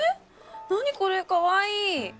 何これかわいい。